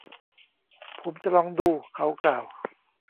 ผมจะลองดู เขากล่าว